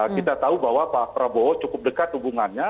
kita tahu bahwa pak prabowo cukup dekat hubungannya